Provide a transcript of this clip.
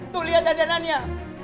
tuh liat dandanannya